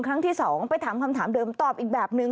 ครั้งที่๒ไปถามคำถามเดิมตอบอีกแบบนึง